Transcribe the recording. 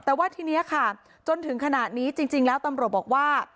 แต่ว่าทีนี้ค่ะจนถึงขณะนี้จริงแล้วตำรวจบอกว่า